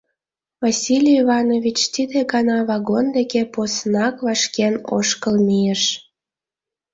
Василий Иванович тиде гана вагон деке поснак вашкен ошкыл мийыш.